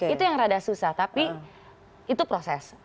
itu yang rada susah tapi itu proses